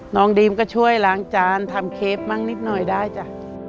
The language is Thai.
ดีมก็ช่วยล้างจานทำเค้ปมั่งนิดหน่อยได้จ้ะ